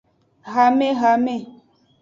Hamehame.